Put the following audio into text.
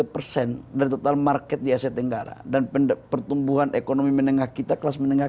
persen dari total market di aset tenggara dan pendek pertumbuhan ekonomi menengah kita kelas menengah